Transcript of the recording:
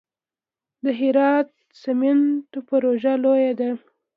د هرات سمنټو پروژه لویه ده